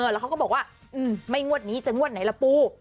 แล้วเขาก็บอกว่าไม่งวดนี้จะงวดไหนล่ะปู